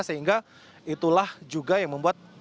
sehingga itulah juga yang membuat